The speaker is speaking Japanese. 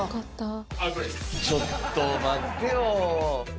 ちょっと待ってよー。